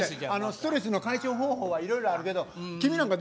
ストレスの解消方法はいろいろあるけど君なんかどういうふうに？